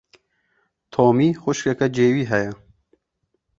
Tomî xwişkeke cêwî heye.